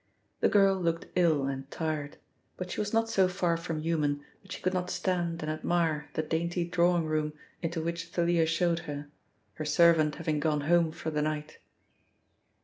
The girl looked ill and tired, but she was not so far from human that she could not stand and admire the dainty drawing room into which Thalia showed her, her servant having gone home for the night.